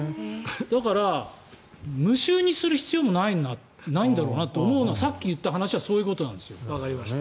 だから、無臭にする必要もないんだろうなと思うのはさっき言った話はそういうことなんですよ。わかりました。